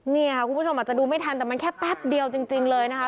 นี่ค่ะคุณผู้ชมอาจจะดูไม่ทันแต่มันแค่แป๊บเดียวจริงเลยนะคะ